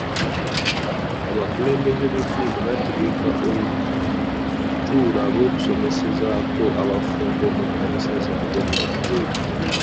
Abakulembeze b'edddiini bategeka olutuula lw'okusomesezaako abafumbo mu kkanisa zaabwe bulijjo.